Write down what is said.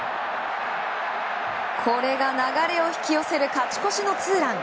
これが流れを引き寄せる勝ち越しのツーラン。